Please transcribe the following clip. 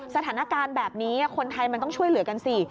สถานการณ์แบบนี้คนไทยมันต้องช่วยเหลือกันสิ